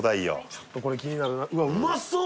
ちょっとこれ気になるうわうまそう！